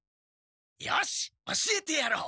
よし教えてやろう。